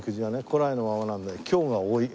古来のままなので凶が多い。